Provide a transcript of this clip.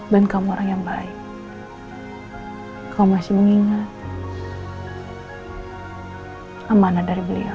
dan kamu orang yang baik kau masih mengingat amanah dari beliau